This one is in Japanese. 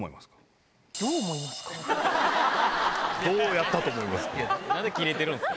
どうやったと思いますか？